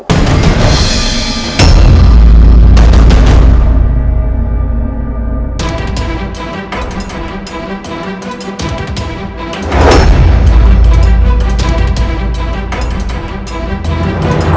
kau ini adalah